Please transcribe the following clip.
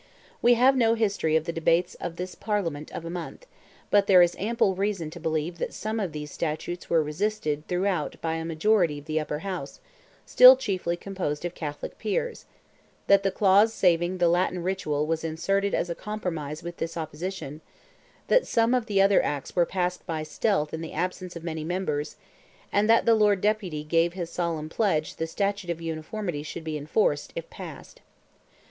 We have no history of the debates of this Parliament of a month, but there is ample reason to believe that some of these statutes were resisted throughout by a majority of the Upper House, still chiefly composed of Catholic Peers; that the clause saving the Latin ritual was inserted as a compromise with this opposition; that some of the other Acts were passed by stealth in the absence of many members, and that the Lord Deputy gave his solemn pledge the statute of Uniformity should be enforced, if passed.